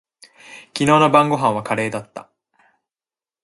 昨日の晩御飯はカレーだった。